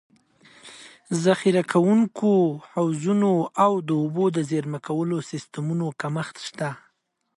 ذخیره کوونکو حوضونو او د اوبو د زېرمه کولو سیستمونو کمښت شته.